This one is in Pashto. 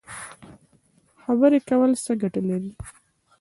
خبرې کول څه ګټه لري؟